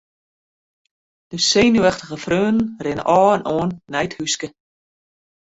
De senuweftige freonen rinne ôf en oan nei it húske.